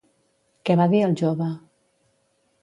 Què va dir el jove?